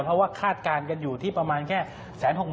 เพราะว่าคาดการณ์กันอยู่ที่ประมาณแค่๑๖๐๐๐